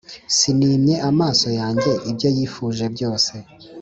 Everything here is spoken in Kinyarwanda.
sinimye amaso yanjye ibyo yifuje byose